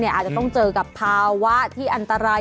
อาจจะต้องเจอกับภาวะที่อันตราย